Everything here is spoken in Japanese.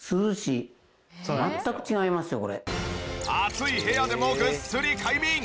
暑い部屋でもぐっすり快眠。